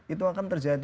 itu akan terjadi